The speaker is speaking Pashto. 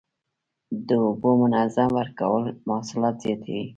د اوبو منظم ورکول حاصلات زیاتوي.